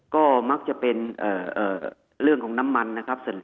ก็มักจะเป็นเรื่องของน้ำมันนะครับ